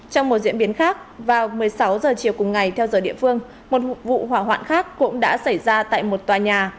trong một diễn biến khác vào một mươi sáu giờ chiều cùng ngày theo giờ địa phương một vụ hỏa hoạn khác cũng đã xảy ra tại một tòa nhà